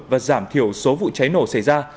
và giảm thiểu số vụ cháy nổ xảy ra